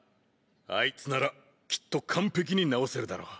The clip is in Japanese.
あいつならきっと完璧に直せるだろう。